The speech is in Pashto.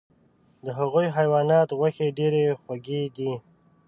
د هغو حیواناتو غوښې ډیرې خوږې دي .